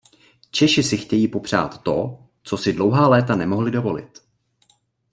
Češi si chtějí dopřát to, co si dlouhá léta nemohli dovolit.